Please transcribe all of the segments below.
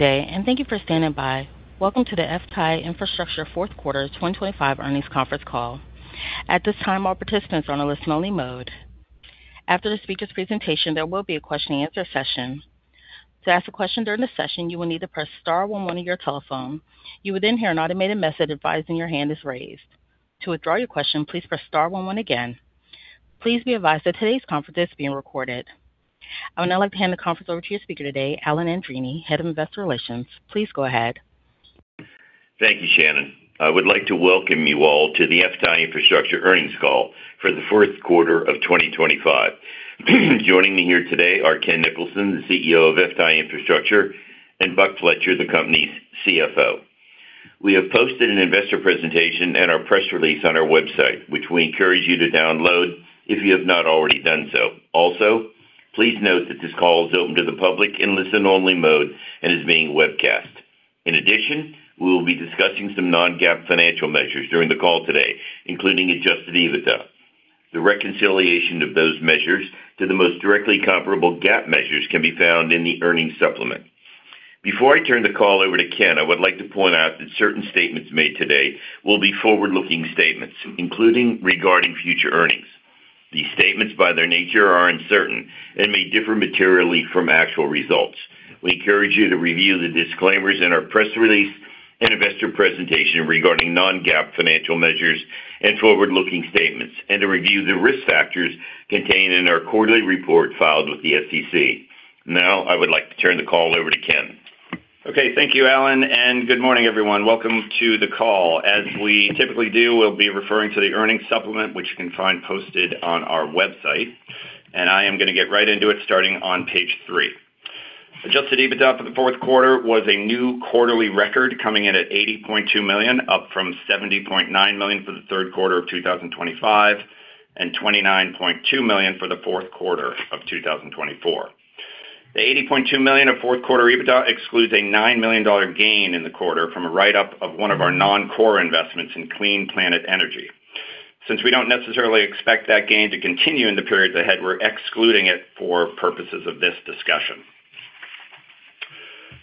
Good day, and thank you for standing by. Welcome to the FTAI Infrastructure 4th quarter 2025 earnings conference call. At this time, all participants are on a listen-only mode. After the speaker's presentation, there will be a question-and-answer session. To ask a question during the session, you will need to press star one one on your telephone. You will then hear an automated message advising your hand is raised. To withdraw your question, please press star one one again. Please be advised that today's conference is being recorded. I would now like to hand the conference over to your speaker today, Alan Andreini, Head of Investor Relations. Please go ahead. Thank you, Shannon. I would like to welcome you all to the FTAI Infrastructure earnings call for the 4th quarter of 2025. Joining me here today are Ken Nicholson, the CEO of FTAI Infrastructure, and Buck Fletcher, the company's CFO. We have posted an investor presentation and our press release on our website, which we encourage you to download if you have not already done so. Please note that this call is open to the public in listen-only mode and is being webcast. We will be discussing some non-GAAP financial measures during the call today, including adjusted EBITDA. The reconciliation of those measures to the most directly comparable GAAP measures can be found in the earnings supplement. Before I turn the call over to Ken, I would like to point out that certain statements made today will be forward-looking statements, including regarding future earnings. These statements, by their nature, are uncertain and may differ materially from actual results. We encourage you to review the disclaimers in our press release and investor presentation regarding non-GAAP financial measures and forward-looking statements, and to review the risk factors contained in our quarterly report filed with the SEC. Now, I would like to turn the call over to Ken. Okay, thank you, Alan, and good morning, everyone. Welcome to the call. As we typically do, we'll be referring to the earnings supplement, which you can find posted on our website, and I am going to get right into it, starting on page three. Adjusted EBITDA for the 4th quarter was a new quarterly record, coming in at $80.2 million, up from $70.9 million for the third quarter of 2025, and $29.2 million for the 4th quarter of 2024. The $80.2 million of 4th quarter EBITDA excludes a $9 million gain in the quarter from a write-up of one of our non-core investments in Clean Planet Energy. Since we don't necessarily expect that gain to continue in the periods ahead, we're excluding it for purposes of this discussion.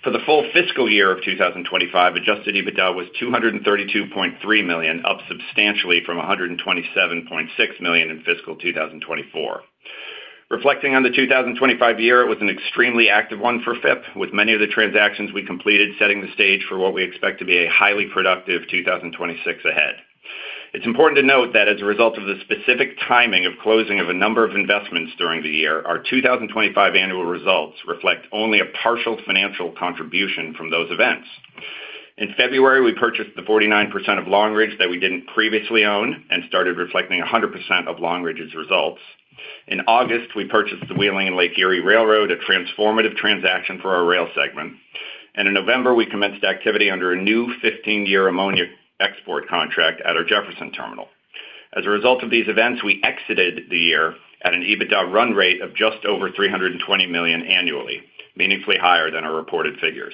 For the full fiscal year of 2025, adjusted EBITDA was $232.3 million, up substantially from $127.6 million in fiscal 2024. Reflecting on the 2025 year, it was an extremely active one for FIP, with many of the transactions we completed setting the stage for what we expect to be a highly productive 2026 ahead. It's important to note that as a result of the specific timing of closing of a number of investments during the year, our 2025 annual results reflect only a partial financial contribution from those events. In February, we purchased the 49% of Long Ridge that we didn't previously own and started reflecting 100% of Long Ridge's results. In August, we purchased the Wheeling & Lake Erie Railway, a transformative transaction for our rail segment. In November, we commenced activity under a new 15-year ammonia export contract at our Jefferson terminal. As a result of these events, we exited the year at an EBITDA run rate of just over $320 million annually, meaningfully higher than our reported figures.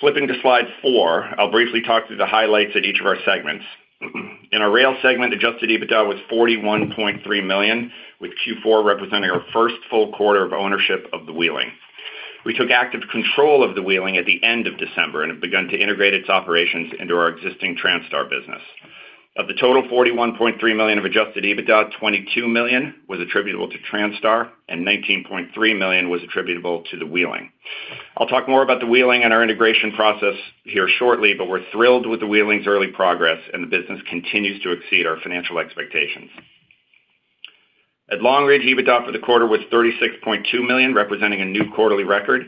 Flipping to Slide 4, I'll briefly talk through the highlights of each of our segments. In our rail segment, adjusted EBITDA was $41.3 million, with Q4 representing our first full quarter of ownership of the Wheeling. We took active control of the Wheeling at the end of December and have begun to integrate its operations into our existing Transtar business. Of the total $41.3 million of adjusted EBITDA, $22 million was attributable to Transtar and $19.3 million was attributable to the Wheeling. I'll talk more about the Wheeling and our integration process here shortly. We're thrilled with the Wheeling's early progress, and the business continues to exceed our financial expectations. At Long Ridge, EBITDA for the quarter was $36.2 million, representing a new quarterly record.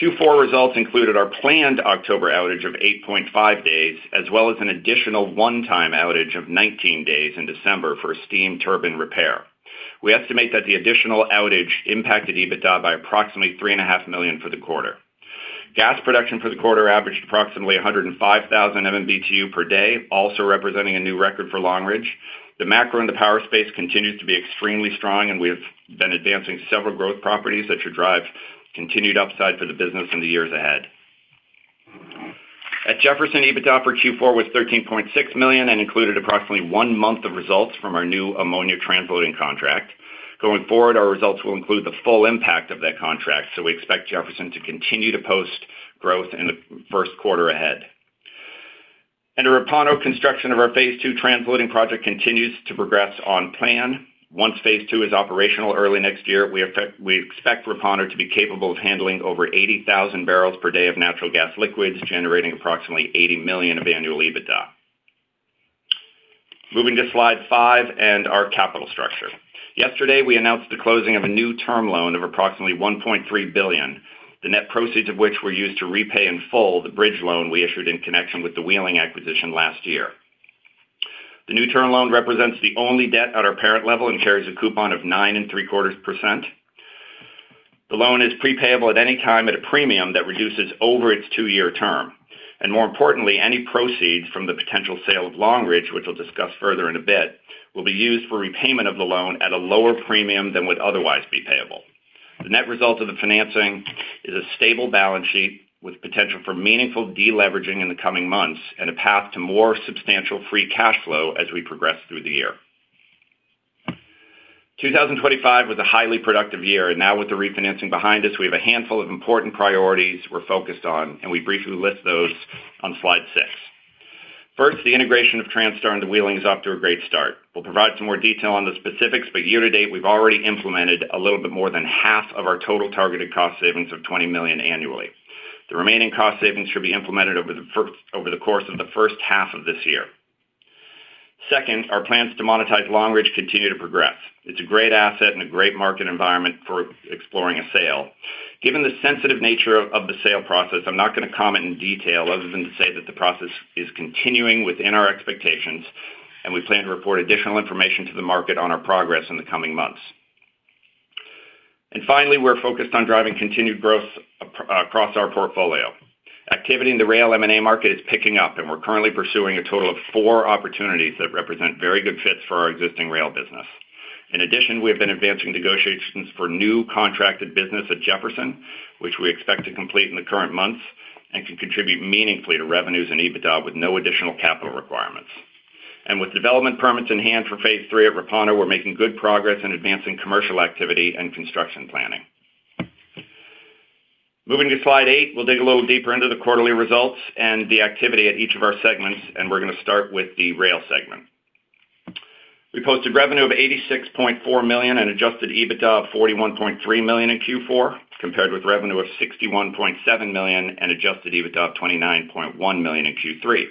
Q4 results included our planned October outage of 8.5 days, as well as an additional one-time outage of 19 days in December for a steam turbine repair. We estimate that the additional outage impacted EBITDA by approximately three and a half million for the quarter. Gas production for the quarter averaged approximately 105,000 MMBtu per day, also representing a new record for Long Ridge. The macro in the power space continues to be extremely strong. We have been advancing several growth properties that should drive continued upside for the business in the years ahead. At Jefferson, EBITDA for Q4 was $13.6 million and included approximately one month of results from our new ammonia transloading contract. Going forward, our results will include the full impact of that contract. We expect Jefferson to continue to post growth in the first quarter ahead. At Repauno, construction of our phase two transloading project continues to progress on plan. Once phase two is operational early next year, we expect Repauno to be capable of handling over 80,000 barrels per day of natural gas liquids, generating approximately $80 million of annual EBITDA. Moving to slide five and our capital structure. Yesterday, we announced the closing of a new term loan of approximately $1.3 billion, the net proceeds of which were used to repay in full the bridge loan we issued in connection with the Wheeling acquisition last year. The new term loan represents the only debt at our parent level and carries a coupon of 9.75%. The loan is prepayable at any time at a premium that reduces over its two-year term. More importantly, any proceeds from the potential sale of Long Ridge, which we'll discuss further in a bit, will be used for repayment of the loan at a lower premium than would otherwise be payable. The net result of the financing is a stable balance sheet with potential for meaningful deleveraging in the coming months and a path to more substantial free cash flow as we progress through the year. 2025 was a highly productive year. Now with the refinancing behind us, we have a handful of important priorities we're focused on, and we briefly list those on Slide 6. First, the integration of Transtar and the Wheeling is off to a great start. We'll provide some more detail on the specifics. Year to date, we've already implemented a little bit more than half of our total targeted cost savings of $20 million annually. The remaining cost savings should be implemented over the course of the 1st half of this year. Second, our plans to monetize Long Ridge continue to progress. It's a great asset and a great market environment for exploring a sale. Given the sensitive nature of the sale process, I'm not gonna comment in detail other than to say that the process is continuing within our expectations, and we plan to report additional information to the market on our progress in the coming months. Finally, we're focused on driving continued growth across our portfolio. Activity in the rail M&A market is picking up, and we're currently pursuing a total of four opportunities that represent very good fits for our existing rail business. In addition, we have been advancing negotiations for new contracted business at Jefferson, which we expect to complete in the current months, and can contribute meaningfully to revenues and EBITDA with no additional capital requirements. With development permits in hand for Phase 3 at Repauno, we're making good progress in advancing commercial activity and construction planning. Moving to Slide 8, we'll dig a little deeper into the quarterly results and the activity at each of our segments. We're gonna start with the rail segment. We posted revenue of $86.4 million and adjusted EBITDA of $41.3 million in Q4, compared with revenue of $61.7 million and adjusted EBITDA of $29.1 million in Q3.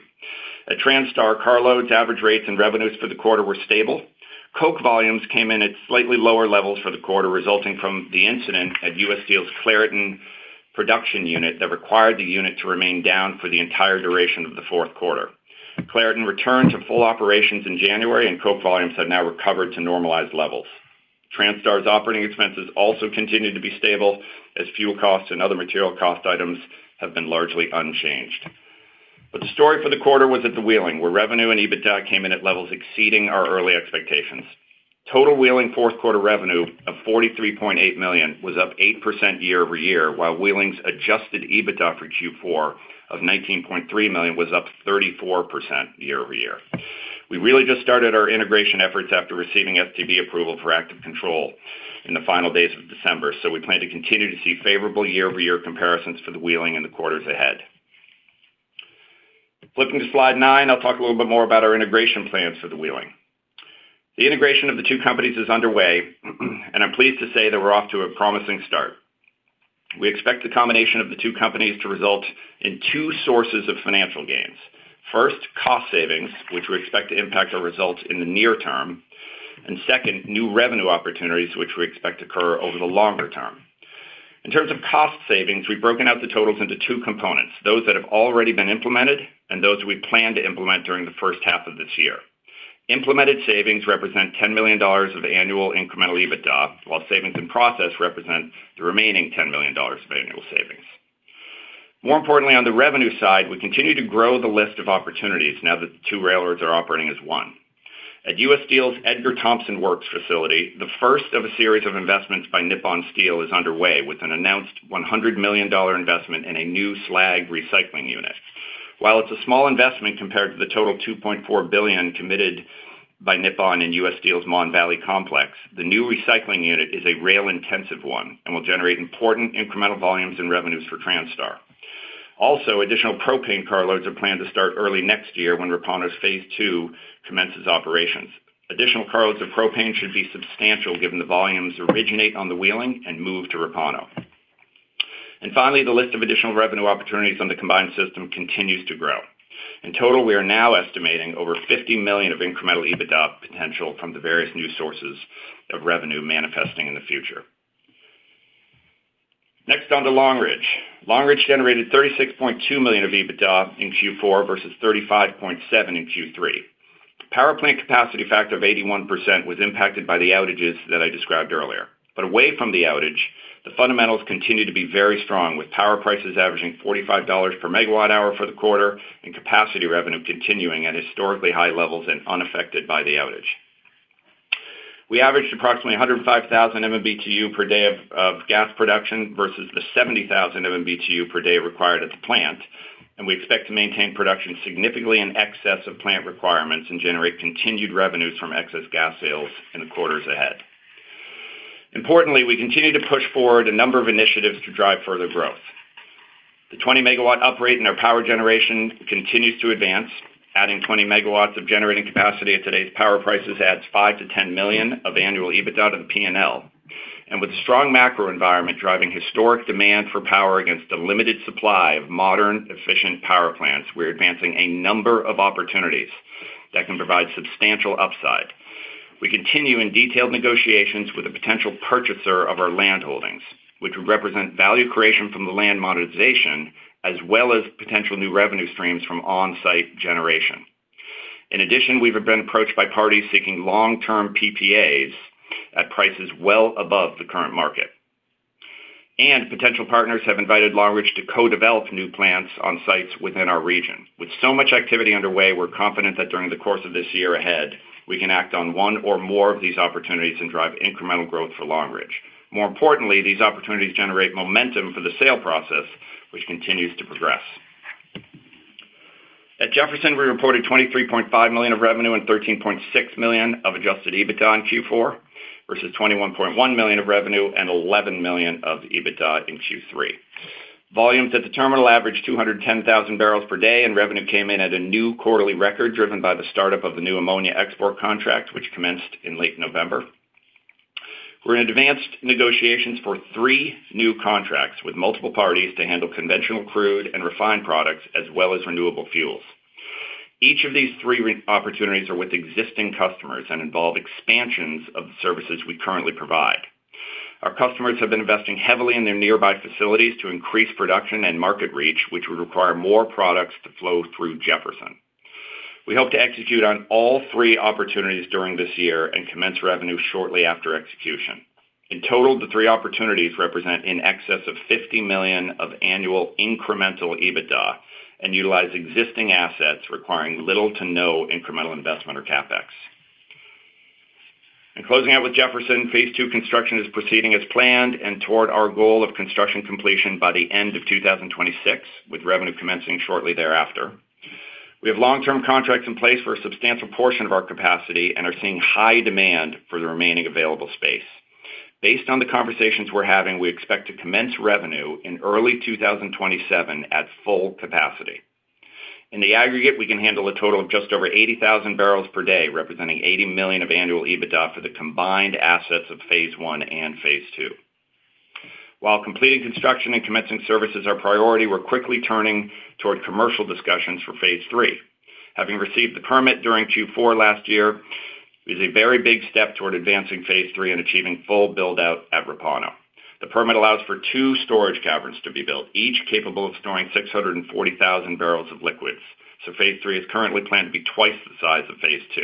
At Transtar, carloads, average rates, and revenues for the quarter were stable. Coke volumes came in at slightly lower levels for the quarter, resulting from the incident at U.S. Steel's Clairton production unit that required the unit to remain down for the entire duration of the 4th quarter. Clairton returned to full operations in January. Coke volumes have now recovered to normalized levels. Transtar operating expenses also continued to be stable as fuel costs and other material cost items have been largely unchanged. The story for the quarter was at the Wheeling, where revenue and EBITDA came in at levels exceeding our early expectations. Total Wheeling 4th quarter revenue of $43.8 million was up 8% year-over-year, while Wheeling's adjusted EBITDA for Q4 of $19.3 million was up 34% year-over-year. We really just started our integration efforts after receiving STB approval for active control in the final days of December, so we plan to continue to see favorable year-over-year comparisons for the Wheeling in the quarters ahead. Flipping to Slide 9, I'll talk a little bit more about our integration plans for the Wheeling. The integration of the two companies is underway, and I'm pleased to say that we're off to a promising start. We expect the combination of the two companies to result in two sources of financial gains. First, cost savings, which we expect to impact our results in the near term, and second, new revenue opportunities, which we expect to occur over the longer term. In terms of cost savings, we've broken out the totals into two components, those that have already been implemented and those we plan to implement during the first half of this year. Implemented savings represent $10 million of annual incremental EBITDA, while savings in process represent the remaining $10 million of annual savings. More importantly, on the revenue side, we continue to grow the list of opportunities now that the two railroads are operating as one. At U.S. Steel's Edgar Thomson Plant facility, the first of a series of investments by Nippon Steel is underway, with an announced $100 million investment in a new slag recycling unit. While it's a small investment compared to the total $2.4 billion committed by Nippon in U.S. Steel's Mon Valley Complex, the new recycling unit is a rail-intensive one and will generate important incremental volumes and revenues for Transtar. Also, additional propane carloads are planned to start early next year when Repauno's Phase 2 commences operations. Additional carloads of propane should be substantial, given the volumes originate on the Wheeling and move to Repauno. Finally, the list of additional revenue opportunities on the combined system continues to grow. In total, we are now estimating over $50 million of incremental EBITDA potential from the various new sources of revenue manifesting in the future. Next, on to Long Ridge. Long Ridge generated $36.2 million of EBITDA in Q4 versus $35.7 million in Q3. Power plant capacity factor of 81% was impacted by the outages that I described earlier. Away from the outage, the fundamentals continue to be very strong, with power prices averaging $45 per MW hour for the quarter and capacity revenue continuing at historically high levels and unaffected by the outage. We averaged approximately 105,000 MMBtu per day of gas production versus the 70,000 MMBtu per day required at the plant, and we expect to maintain production significantly in excess of plant requirements and generate continued revenues from excess gas sales in the quarters ahead. Importantly, we continue to push forward a number of initiatives to drive further growth. The 20-MW upgrade in our power generation continues to advance. Adding 20 MW of generating capacity at today's power prices adds $5 million-$10 million of annual EBITDA to the P&L. With the strong macro environment driving historic demand for power against the limited supply of modern, efficient power plants, we're advancing a number of opportunities that can provide substantial upside. We continue in detailed negotiations with a potential purchaser of our land holdings, which would represent value creation from the land monetization, as well as potential new revenue streams from on-site generation. In addition, we have been approached by parties seeking long-term PPAs at prices well above the current market. Potential partners have invited Long Ridge to co-develop new plants on sites within our region. With so much activity underway, we're confident that during the course of this year ahead, we can act on one or more of these opportunities and drive incremental growth for Long Ridge. More importantly, these opportunities generate momentum for the sale process, which continues to progress. At Jefferson, we reported $23.5 million of revenue and $13.6 million of adjusted EBITDA in Q4, versus $21.1 million of revenue and $11 million of EBITDA in Q3. Volumes at the terminal averaged 210,000 barrels per day, and revenue came in at a new quarterly record, driven by the startup of the new ammonia export contract, which commenced in late November. We're in advanced negotiations for three new contracts with multiple parties to handle conventional crude and refined products, as well as renewable fuels. Each of these three opportunities are with existing customers and involve expansions of the services we currently provide. Our customers have been investing heavily in their nearby facilities to increase production and market reach, which would require more products to flow through Jefferson. We hope to execute on all three opportunities during this year and commence revenue shortly after execution. In total, the three opportunities represent in excess of $50 million of annual incremental EBITDA and utilize existing assets requiring little to no incremental investment or CapEx. In closing out with Jefferson, phase two construction is proceeding as planned and toward our goal of construction completion by the end of 2026, with revenue commencing shortly thereafter. We have long-term contracts in place for a substantial portion of our capacity and are seeing high demand for the remaining available space. Based on the conversations we're having, we expect to commence revenue in early 2027 at full capacity. In the aggregate, we can handle a total of just over 80,000 barrels per day, representing $80 million of annual EBITDA for the combined assets of Phase 1 and Phase 2. While completing construction and commencing services are priority, we're quickly turning toward commercial discussions for Phase 3. Having received the permit during Q4 last year is a very big step toward advancing Phase 3 and achieving full build-out at Repauno. The permit allows for two storage caverns to be built, each capable of storing 640,000 barrels of liquids. Phase 3 is currently planned to be twice the size of Phase 2.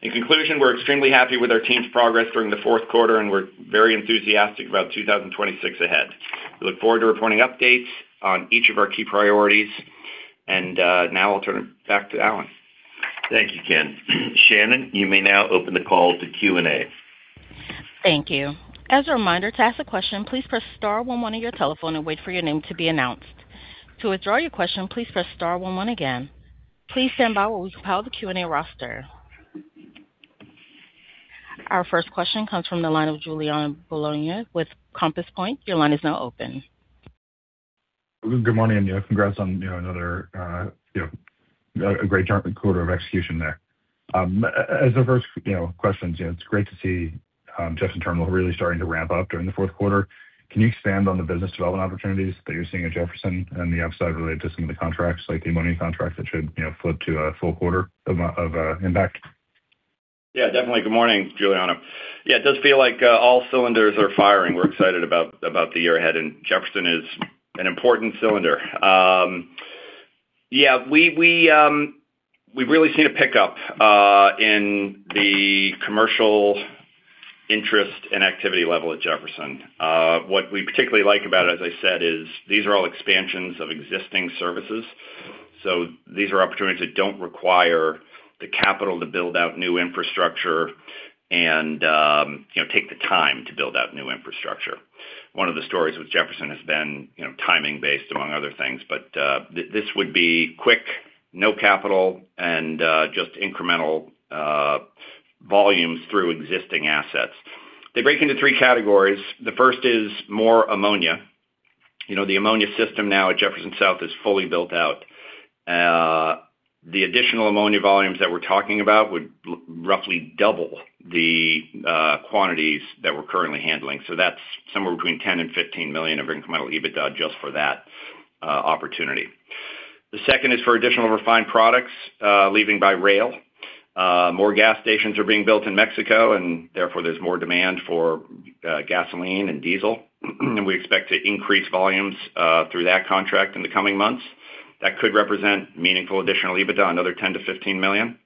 In conclusion, we're extremely happy with our team's progress during the 4th quarter, and we're very enthusiastic about 2026 ahead. We look forward to reporting updates on each of our key priorities. Now I'll turn it back to Alan. Thank you, Ken. Shannon, you may now open the call to Q&A. Thank you. As a reminder, to ask a question, please press star one one on your telephone and wait for your name to be announced. To withdraw your question, please press star one one again. Please stand by while we compile the Q&A roster. Our first question comes from the line of Giuliano Bologna with Compass Point. Your line is now open. Good morning. Yeah, congrats on, you know, another, you know, a great quarter of execution there. As the first, you know, questions, you know, it's great to see Jefferson Terminal really starting to ramp up during the 4th quarter. Can you expand on the business development opportunities that you're seeing at Jefferson and the upside related to some of the contracts, like the ammonia contracts that should, you know, flip to a full quarter of impact? Definitely. Good morning, Giuliano. It does feel like all cylinders are firing. Jefferson is an important cylinder. Yeah, we've really seen a pickup in the commercial interest and activity level at Jefferson. What we particularly like about it, as I said, is these are all expansions of existing services. These are opportunities that don't require the capital to build out new infrastructure and, you know, take the time to build out new infrastructure. One of the stories with Jefferson has been, you know, timing based, among other things, this would be quick, no capital and just incremental volumes through existing assets. They break into three categories. The first is more ammonia. You know, the ammonia system now at Jefferson South is fully built out. The additional ammonia volumes that we're talking about would roughly double the quantities that we're currently handling. That's somewhere between $10 million-$15 million of incremental EBITDA just for that opportunity. The second is for additional refined products leaving by rail. More gas stations are being built in Mexico, and therefore, there's more demand for gasoline and diesel, and we expect to increase volumes through that contract in the coming months. That could represent meaningful additional EBITDA, another $10 million-$15 million.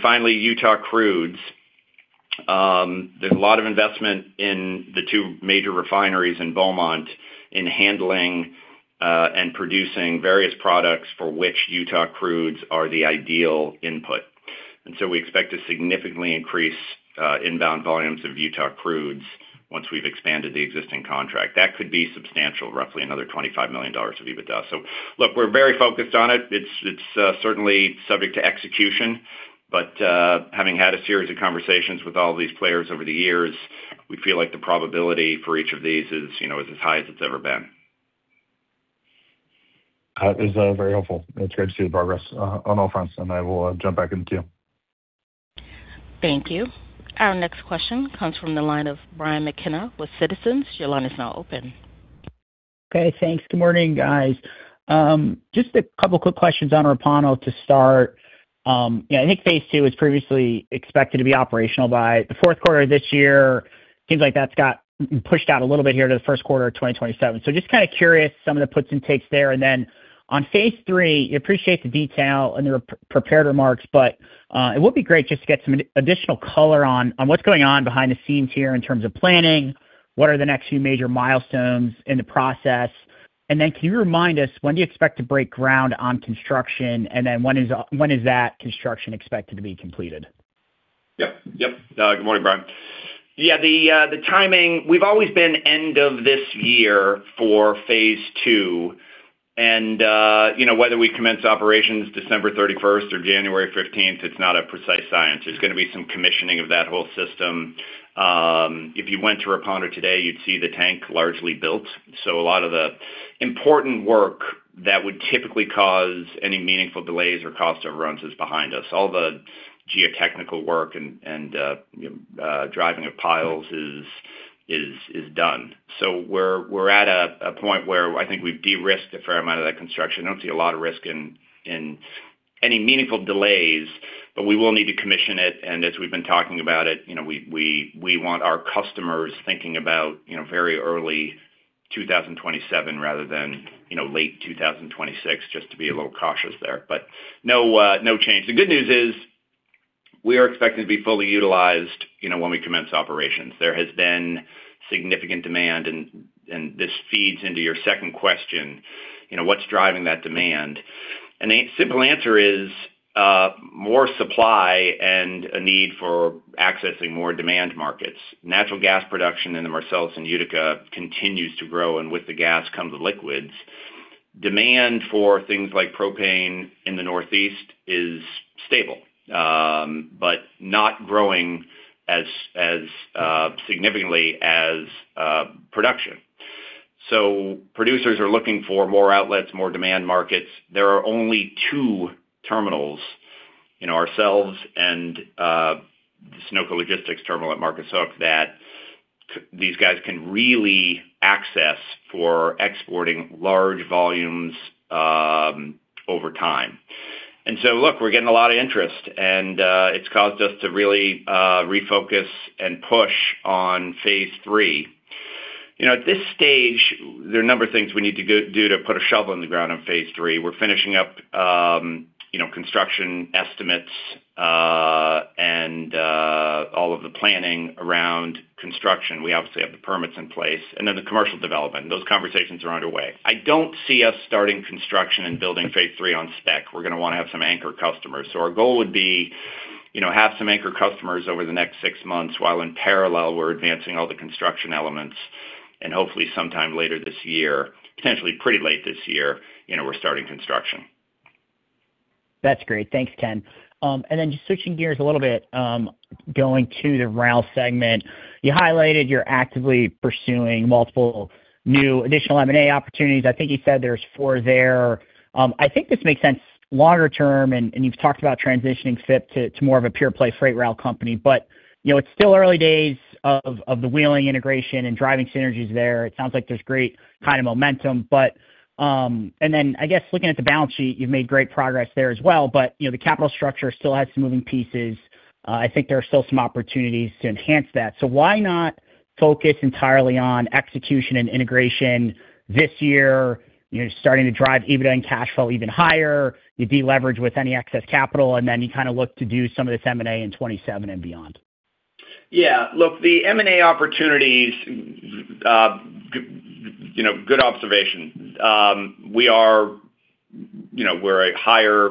Finally, Utah crudes. There's a lot of investment in the two major refineries in Beaumont in handling and producing various products for which Utah crudes are the ideal input. We expect to significantly increase inbound volumes of Utah crudes once we've expanded the existing contract. That could be substantial, roughly another $25 million of EBITDA. Look, we're very focused on it. It's certainly subject to execution, but having had a series of conversations with all these players over the years, we feel like the probability for each of these is, you know, as high as it's ever been. It's very helpful. It's great to see the progress on all fronts, and I will jump back into queue. Thank you. Our next question comes from the line of Brian McKenna with Citizens. Your line is now open. Okay, thanks. Good morning, guys. Just a couple quick questions on Repauno to start. I think Phase 2 was previously expected to be operational by the 4th quarter of this year. Seems like that's got pushed out a little bit here to the 1st quarter of 2027. Just kind of curious, some of the puts and takes there. On Phase 3, I appreciate the detail in your prepared remarks, but it would be great just to get some additional color on what's going on behind the scenes here in terms of planning. What are the next few major milestones in the process? Can you remind us, when do you expect to break ground on construction, and then when is that construction expected to be completed? Yep. Good morning, Brian. The timing, we've always been end of this year for Phase 2. You know, whether we commence operations December 31st or January 15th, it's not a precise science. There's going to be some commissioning of that whole system. If you went to Repauno today, you'd see the tank largely built. A lot of the important work that would typically cause any meaningful delays or cost overruns is behind us. All the geotechnical work and driving of piles is done. We're at a point where I think we've de-risked a fair amount of that construction. I don't see a lot of risk in any meaningful delays, but we will need to commission it. As we've been talking about it, you know, we, we want our customers thinking about, you know, very early 2027 rather than, you know, late 2026, just to be a little cautious there. No, no change. The good news is, we are expecting to be fully utilized, you know, when we commence operations. There has been significant demand, this feeds into your second question, you know, what's driving that demand? The simple answer is, more supply and a need for accessing more demand markets. Natural gas production in the Marcellus and Utica continues to grow, and with the gas comes the liquids. Demand for things like propane in the Northeast is stable, but not growing as significantly as production. Producers are looking for more outlets, more demand markets. There are only two terminals, you know, ourselves and the Sunoco Logistics terminal at Marcus Hook, that these guys can really access for exporting large volumes over time. Look, we're getting a lot of interest, and it's caused us to really refocus and push on Phase 3. You know, at this stage, there are a number of things we need to do to put a shovel on the ground on Phase 3. We're finishing up, you know, construction estimates, and all of the planning around construction. We obviously have the permits in place, and then the commercial development. Those conversations are underway. I don't see us starting construction and building Phase 3 on spec. We're going to want to have some anchor customers. Our goal would be, you know, have some anchor customers over the next six months, while in parallel, we're advancing all the construction elements, and hopefully sometime later this year, potentially pretty late this year, you know, we're starting construction. That's great. Thanks, Ken. Just switching gears a little bit, going to the rail segment. You highlighted you're actively pursuing multiple new additional M&A opportunities. I think you said there's 4 there. I think this makes sense longer term, and you've talked about transitioning FIP to more of a pure play freight rail company. You know, it's still early days of the Wheeling integration and driving synergies there. It sounds like there's great kind of momentum, but... I guess, looking at the balance sheet, you've made great progress there as well, you know, the capital structure still has some moving pieces. I think there are still some opportunities to enhance that. Why not focus entirely on execution and integration this year? You're starting to drive EBITDA and cash flow even higher. You deleverage with any excess capital, and then you kind of look to do some of this M&A in 27 and beyond. Look, the M&A opportunities, you know, good observation. We are, you know, we're a higher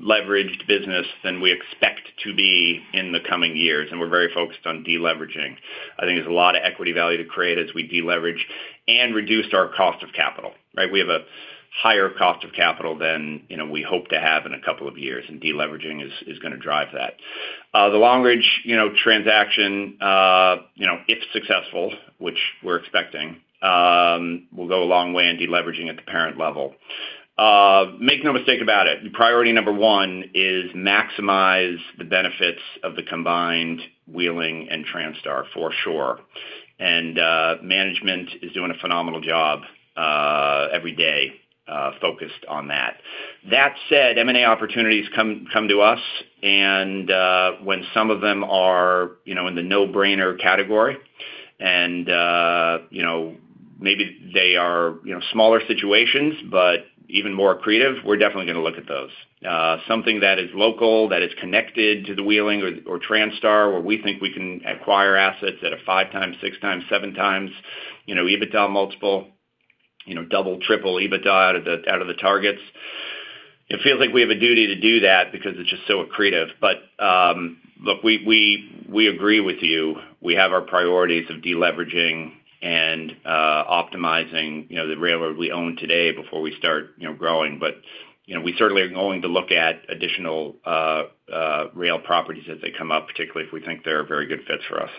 leveraged business than we expect to be in the coming years, and we're very focused on deleveraging. I think there's a lot of equity value to create as we deleverage and reduced our cost of capital, right? We have a higher cost of capital than, you know, we hope to have in a couple of years, and deleveraging is going to drive that. The Long Ridge, you know, transaction, you know, if successful, which we're expecting, will go a long way in deleveraging at the parent level. Make no mistake about it, priority number 1 is maximize the benefits of the combined Wheeling and Transtar, for sure. Management is doing a phenomenal job every day focused on that. That said, M&A opportunities come to us, and when some of them are, you know, in the no-brainer category, and, you know, maybe they are, you know, smaller situations, but even more accretive, we're definitely going to look at those. Something that is local, that is connected to the Wheeling or Transtar, where we think we can acquire assets at a 5x, 6x, 7x, you know, EBITDA multiple, you know, 2x, 3x EBITDA out of the targets. It feels like we have a duty to do that because it's just so accretive. Look, we agree with you. We have our priorities of deleveraging and optimizing, you know, the railroad we own today before we start, you know, growing. You know, we certainly are going to look at additional rail properties as they come up, particularly if we think they're very good fits for us.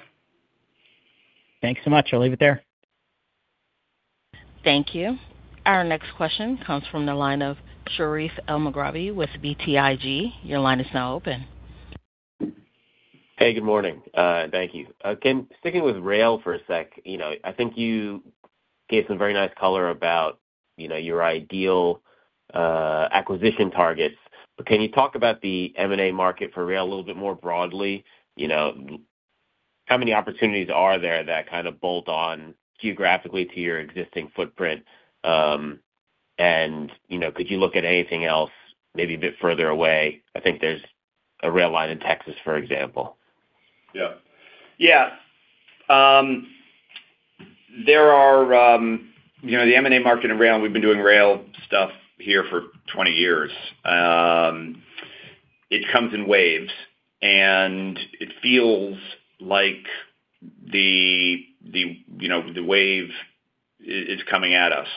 Thanks so much. I'll leave it there. Thank you. Our next question comes from the line of Sherif Elmaghrabi with BTIG. Your line is now open. Hey, good morning. Thank you. Ken, sticking with rail for a sec, you know, I think you gave some very nice color about, you know, your ideal acquisition targets. Can you talk about the M&A market for rail a little bit more broadly? You know, how many opportunities are there that kind of bolt on geographically to your existing footprint? And, you know, could you look at anything else maybe a bit further away? I think there's a rail line in Texas, for example. Yeah. Yeah, you know, the M&A market in rail, we've been doing rail stuff here for 20 years. It comes in waves, and it feels like the, you know, the wave is coming at us,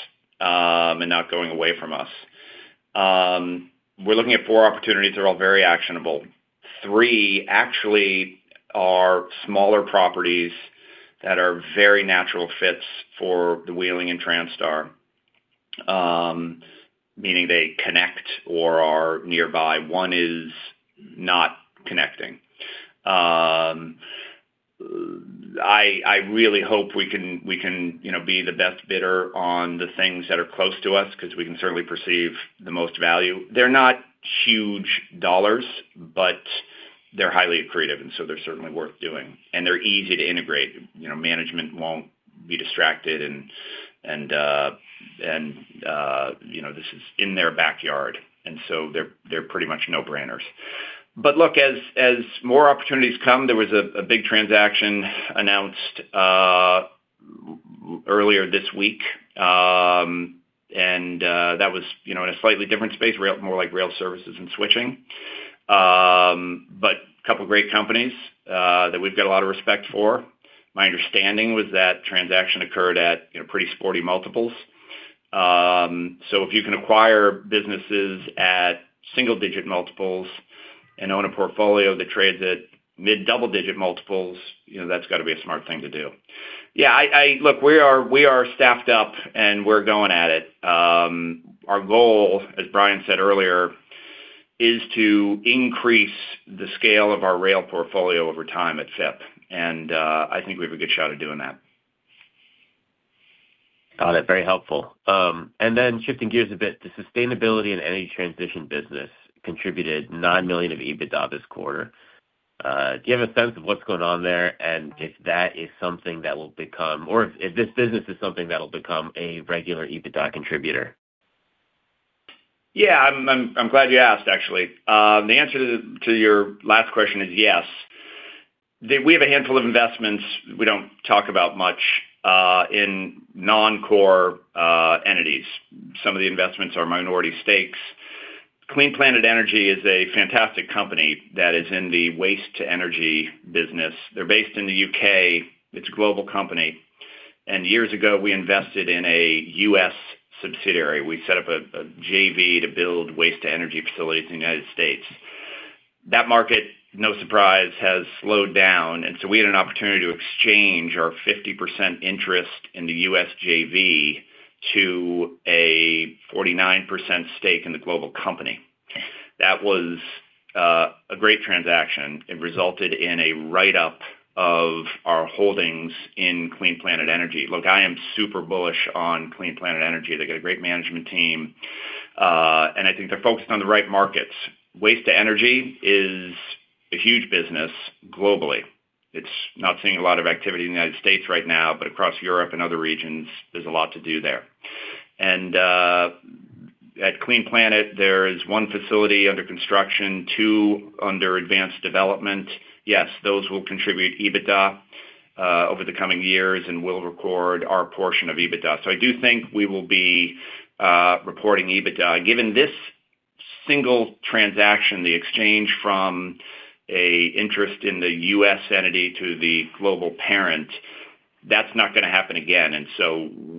and not going away from us. We're looking at 4 opportunities. They're all very actionable. 3 actually are smaller properties that are very natural fits for the Wheeling and Transtar, meaning they connect or are nearby. One is not connecting. I really hope we can, you know, be the best bidder on the things that are close to us, because we can certainly perceive the most value. They're not huge dollars, but they're highly accretive, and so they're certainly worth doing, and they're easy to integrate. You know, management won't be distracted, and, you know, this is in their backyard, and so they're pretty much no-brainers. Look, as more opportunities come, there was a big transaction announced earlier this week, and that was, you know, in a slightly different space, more like rail services and switching. A couple of great companies that we've got a lot of respect for. My understanding was that transaction occurred at, you know, pretty sporty multiples. If you can acquire businesses at single-digit multiples and own a portfolio that trades at mid double-digit multiples, you know, that's got to be a smart thing to do. Yeah, I. Look, we are staffed up and we're going at it. Our goal, as Brian said earlier, is to increase the scale of our rail portfolio over time at Zipp. I think we have a good shot at doing that. Got it. Very helpful. Shifting gears a bit, the sustainability and energy transition business contributed $9 million of EBITDA this quarter. Do you have a sense of what's going on there, and if that is something that will become, or if this business is something that'll become a regular EBITDA contributor? Yeah, I'm glad you asked, actually. The answer to your last question is yes. We have a handful of investments we don't talk about much in non-core entities. Some of the investments are minority stakes. Clean Planet Energy is a fantastic company that is in the waste-to-energy business. They're based in the U.K.. It's a global company. Years ago, we invested in a U.S. subsidiary. We set up a JV to build waste-to-energy facilities in the United States. That market, no surprise, has slowed down. We had an opportunity to exchange our 50% interest in the U.S. JV to a 49% stake in the global company. That was a great transaction. It resulted in a write-up of our holdings in Clean Planet Energy. Look, I am super bullish on Clean Planet Energy. They've got a great management team, and I think they're focused on the right markets. Waste-to-energy is a huge business globally. It's not seeing a lot of activity in the United States right now, but across Europe and other regions, there's a lot to do there. At Clean Planet, there is one facility under construction, two under advanced development. Yes, those will contribute EBITDA over the coming years, and we'll record our portion of EBITDA. I do think we will be reporting EBITDA. Given this single transaction, the exchange from a interest in the U.S. entity to the global parent, that's not gonna happen again.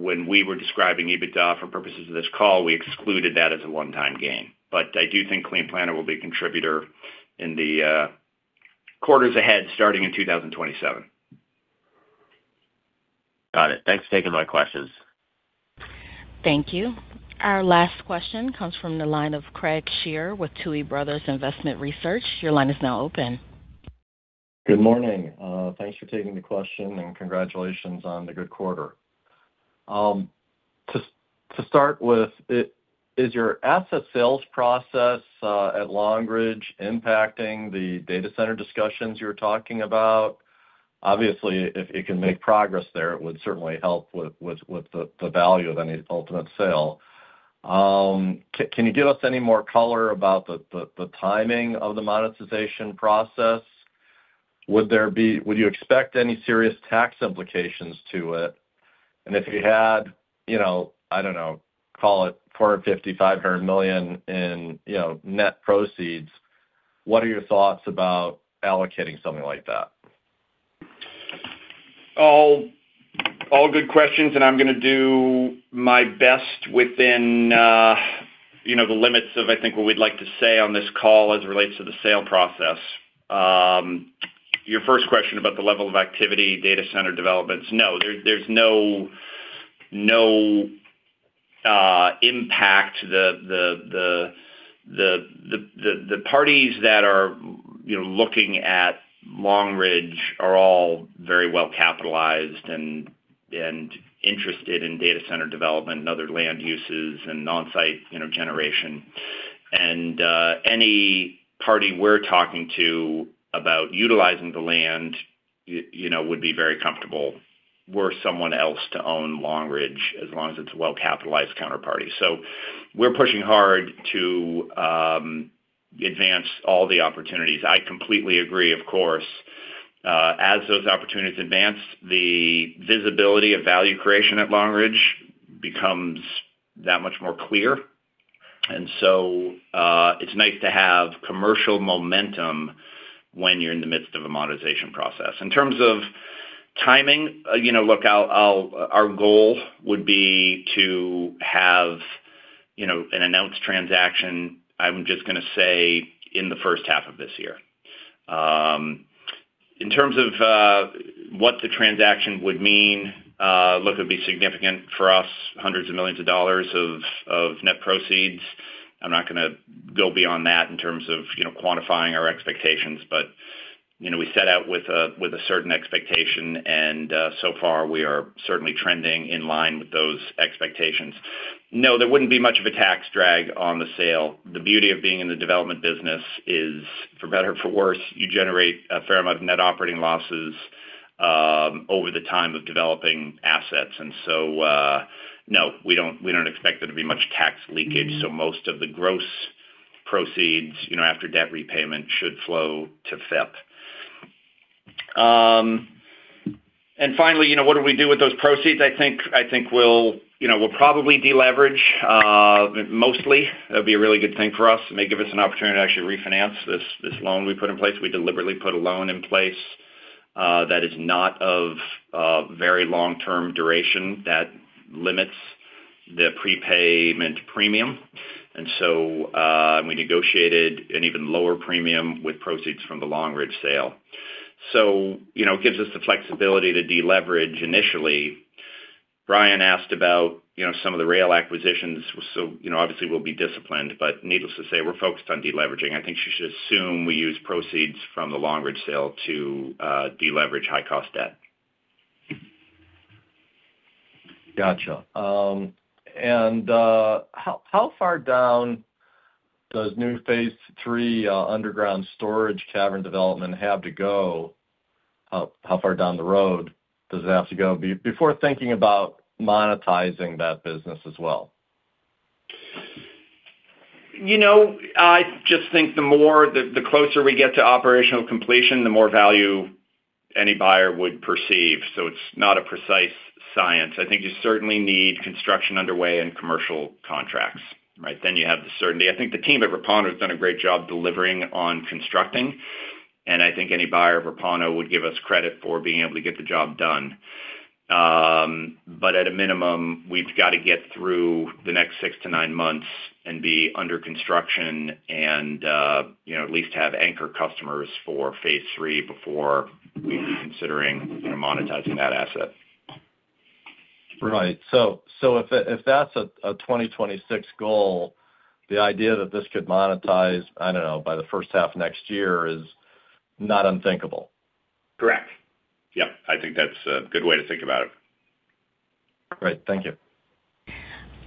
When we were describing EBITDA for purposes of this call, we excluded that as a one-time gain. I do think Clean Planet will be a contributor in the quarters ahead, starting in 2027. Got it. Thanks for taking my questions. Thank you. Our last question comes from the line of Craig Shere with Tuohy Brothers Investment Research. Your line is now open. Good morning. Thanks for taking the question, congratulations on the good quarter. To start with, is your asset sales process at Long Ridge impacting the data center discussions you were talking about? Obviously, if it can make progress there, it would certainly help with the value of any ultimate sale. Can you give us any more color about the timing of the monetization process? Would you expect any serious tax implications to it? If you had, you know, I don't know, call it $450 million, $500 million in, you know, net proceeds, what are your thoughts about allocating something like that? All good questions, and I'm gonna do my best within, you know, the limits of, I think, what we'd like to say on this call as it relates to the sale process. Your first question about the level of activity, data center developments, no, there's no impact. The parties that are, you know, looking at Long Ridge are all very well capitalized and interested in data center development and other land uses and on-site, you know, generation. Any party we're talking to about utilizing the land, you know, would be very comfortable were someone else to own Long Ridge, as long as it's a well-capitalized counterparty. We're pushing hard to advance all the opportunities. I completely agree, of course. As those opportunities advance, the visibility of value creation at Long Ridge becomes that much more clear. It's nice to have commercial momentum when you're in the midst of a monetization process. In terms of timing, you know, look, I'll our goal would be to have, you know, an announced transaction, I'm just gonna say, in the first half of this year. In terms of what the transaction would mean, look, it'd be significant for us, hundreds of millions of dollars of net proceeds. I'm not gonna go beyond that in terms of, you know, quantifying our expectations, but, you know, we set out with a certain expectation, and so far, we are certainly trending in line with those expectations. No, there wouldn't be much of a tax drag on the sale. The beauty of being in the development business is, for better or for worse, you generate a fair amount of net operating losses over the time of developing assets. No, we don't expect there to be much tax leakage, so most of the gross proceeds, you know, after debt repayment, should flow to FIP. Finally, you know, what do we do with those proceeds? I think we'll, you know, we'll probably deleverage mostly. That'd be a really good thing for us. It may give us an opportunity to actually refinance this loan we put in place. We deliberately put a loan in place that is not of very long-term duration. That limits the prepayment premium. We negotiated an even lower premium with proceeds from the Long Ridge sale. You know, it gives us the flexibility to deleverage initially. Brian asked about, you know, some of the rail acquisitions. You know, obviously, we'll be disciplined, but needless to say, we're focused on deleveraging. I think you should assume we use proceeds from the Long Ridge sale to deleverage high-cost debt. Gotcha. How, how far down does new Phase 3 underground storage cavern development have to go? How, how far down the road does it have to go before thinking about monetizing that business as well? You know, I just think the more, the closer we get to operational completion, it's not a precise science. I think you certainly need construction underway and commercial contracts, right? You have the certainty. I think the team at Repauno has done a great job delivering on constructing, and I think any buyer of Repauno would give us credit for being able to get the job done. At a minimum, we've got to get through the next six to nine months and be under construction and, you know, at least have anchor customers for Phase 3 before we'd be considering, you know, monetizing that asset. Right. If that's a 2026 goal, the idea that this could monetize, I don't know, by the first half of next year is not unthinkable? Correct. Yep. I think that's a good way to think about it. Great. Thank you.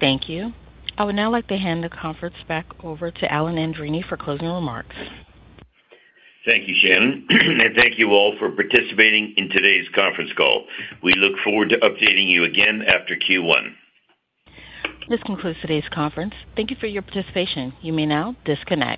Thank you. I would now like to hand the conference back over to Alan Andreini for closing remarks. Thank you, Shannon, and thank you all for participating in today's conference call. We look forward to updating you again after Q1. This concludes today's conference. Thank you for your participation. You may now disconnect.